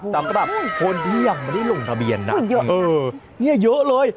ตามกระดับคนเดียวไม่ได้ลงทะเบียนน่ะนี่เยอะเลย